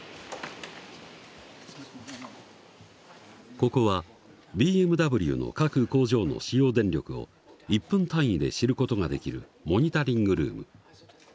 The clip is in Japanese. ここはＢＭＷの各工場の使用電力を１分単位で知る事ができるモニタリングルーム。